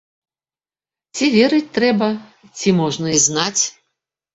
Ці верыць трэба, ці можна і знаць?